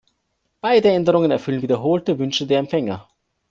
Beide Änderungen erfüllen wiederholte Wünsche der Empfänger.